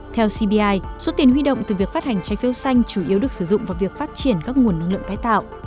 theo cbi số tiền huy động từ việc phát hành trái phiếu xanh chủ yếu được sử dụng vào việc phát triển các nguồn năng lượng tái tạo